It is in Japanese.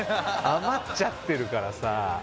余っちゃってるからさ。